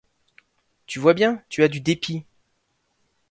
Tu vois bien, tu as du dépit.